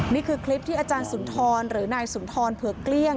นี่คือคลิปที่อาจารย์สุนทรหรือนายสุนทรเผือกเกลี้ยง